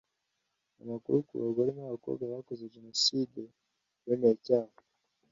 amakuru ku bagore n abakobwa bakoze jenoside bemeye icyaha